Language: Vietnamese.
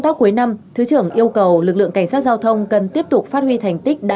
tác cuối năm thứ trưởng yêu cầu lực lượng cảnh sát giao thông cần tiếp tục phát huy thành tích đã